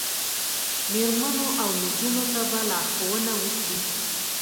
میرمنو او نجونو ته به لارښوونه وکړي